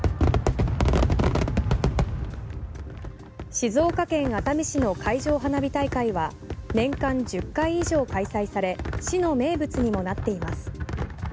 静岡県熱海市の海上花火大会は年間１０回以上開催され市の名物にもなっています。